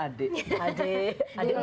adik adik mariana